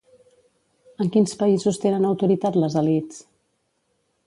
En quins països tenen autoritat les elits?